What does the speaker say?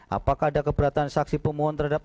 apakah ada keberatan saksi pemohon terhadap